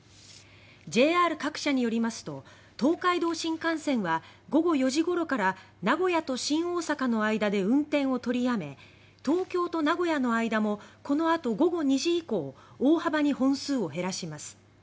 ＪＲ各社によりますと東海道新幹線は午後４時ごろから名古屋と新大阪の間で運転を取りやめ東京と名古屋の間もこのあと午後２時以降大幅に本数を減らします。